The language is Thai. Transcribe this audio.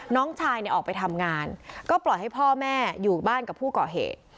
น้องชายเนี่ยออกไปทำงานก็ปล่อยให้พ่อแม่อยู่บ้านกับผู้ก่อเหตุ